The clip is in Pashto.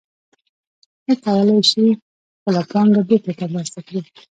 هغه کولی شي خپله پانګه بېرته ترلاسه کړي